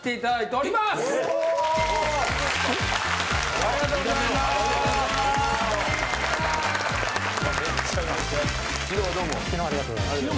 ありがとうございます。